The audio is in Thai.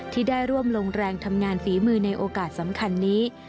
ที่ได้ร่วมลงแรงทำงานฝีมือในโอกาสสำคัญนี้